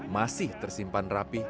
masih tersimpan rapi